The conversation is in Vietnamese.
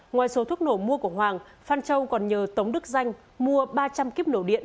ngoài số thuốc nổ mua của hoàng phan châu còn nhờ tống đức danh mua ba trăm linh kíp nổ điện